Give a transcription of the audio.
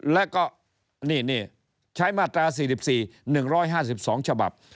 แล้วก็นี่ใช้มาตรา๔๔๑๕๒ฉบับ